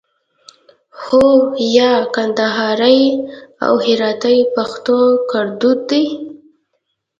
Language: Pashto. هو 👍 یا 👎 کندهاري او هراتي پښتو کړدود دی